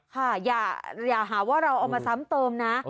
ค่ะอย่าหาว่าเราเอามาซ้ำเติมนะ